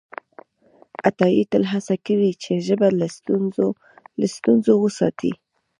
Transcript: عطایي تل هڅه کړې چې ژبه له ستونزو وساتي.